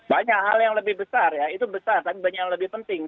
banyak hal yang lebih besar ya itu besar tapi banyak yang lebih penting